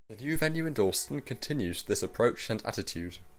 The new venue in Dalston continues this approach and attitude.